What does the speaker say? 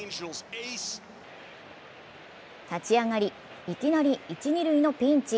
立ち上がり、いきなり一・二塁のピンチ。